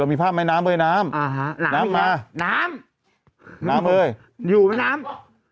เรามีภาพแม่น้ำเวยน้ำอ่าฮะน้ำมาน้ำน้ำเวยอยู่ไหมน้ำ